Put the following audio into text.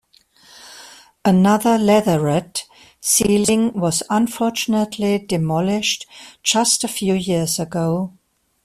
Another "leatherette" ceiling was unfortunately demolished just a few years ago.